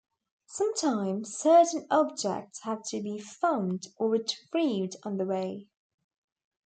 Sometimes certain objects have to be found or retrieved on the way.